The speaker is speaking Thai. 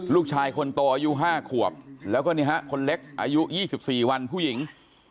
ลูกชายคนโตอายุ๕ขวบแล้วก็นี่ฮะคนเล็กอายุ๒๔วันผู้หญิง